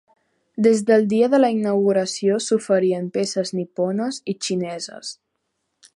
Des del dia de la inauguració s'oferien peces nipones i xineses.